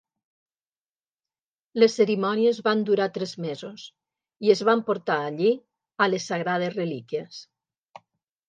Les cerimònies van durar tres mesos i es van portar allí a les sagrades relíquies.